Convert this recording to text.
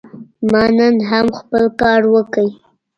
ما نن هم خپل کار وکړ.